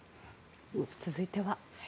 続いては。